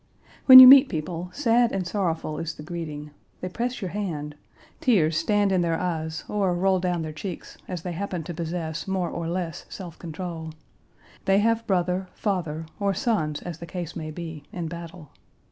When you meet people, sad and sorrowful is the greeting; they press your hand; tears stand in their eyes or roll down their cheeks, as they happen to possess more or less self control. They have brother, father, or sons as the case may be, in battle.